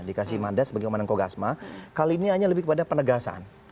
dikasih mandat sebagai komandan kogasma kali ini hanya lebih kepada penegasan